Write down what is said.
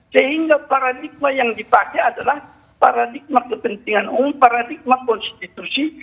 sehingga paradigma yang dipakai adalah paradigma kepentingan umum paradigma konstitusi